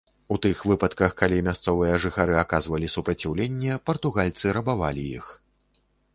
У тых выпадках, калі мясцовыя жыхары аказвалі супраціўленне, партугальцы рабавалі іх.